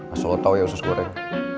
asal lo tau ya usus goreng